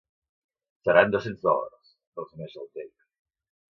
Seran dos-cents dòlars —resumeix el Jake.